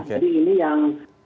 jadi ini yang